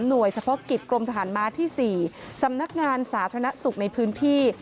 โดยเฉพาะกิจกรมทหารม้าที่๔สำนักงานสาธารณสุขในพื้นที่